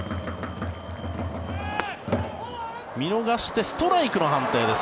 見逃してストライクの判定です。